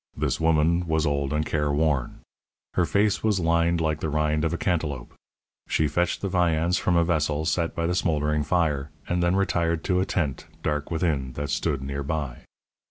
This woman was old and careworn; her face was lined like the rind of a cantaloupe. She fetched the viands from a vessel set by the smouldering fire, and then retired to a tent, dark within, that stood near by.